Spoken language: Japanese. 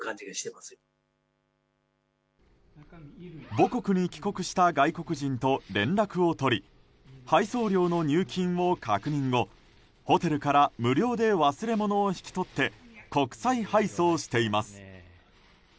母国に帰国した外国人と連絡を取り配送料の入金を確認後ホテルから無料で忘れ物を引き取って国際配送しています。